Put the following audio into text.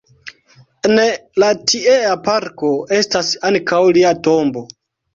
En la tiea parko estas ankaŭ lia tombo.